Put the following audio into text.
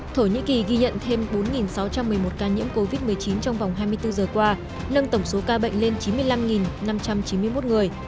thổ nhĩ kỳ ghi nhận thêm bốn sáu trăm một mươi một ca nhiễm covid một mươi chín trong vòng hai mươi bốn giờ qua nâng tổng số ca bệnh lên chín mươi năm năm trăm chín mươi một người